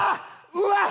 うわっ！